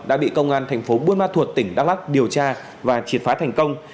đã bị công an thành phố buôn ma thuột tỉnh đắk lắc điều tra và triệt phá thành công